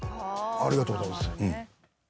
ありがとうございます。